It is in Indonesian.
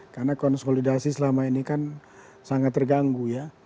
karena konsolidasi selama ini kan sangat terganggu ya